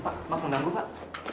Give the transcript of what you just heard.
pak maaf mengganggu pak